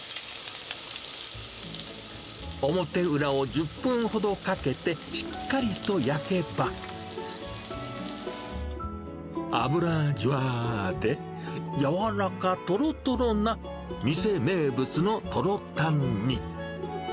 表裏を１０分ほどかけてしっかりと焼けば、脂じゅわーで、軟らかとろとろな、店名物のトロたんに。